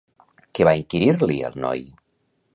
Què va inquirir-li al noi?